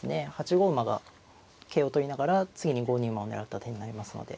８五馬が桂を取りながら次に５二馬を狙った手になりますので。